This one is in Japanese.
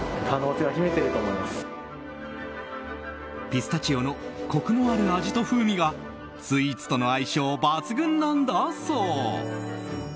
ピスタチオのコクのある味と風味がスイーツとの相性抜群なんだそう。